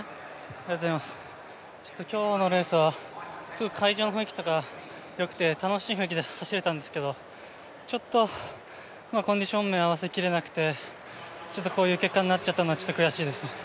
ありがとうございます、今日のレースは会場の雰囲気とかよくて楽しい雰囲気で走れたんですけど、ちょっとコンディション面、合わせきれなくてこういう結果になっちゃったのは、ちょっと悔しいですね。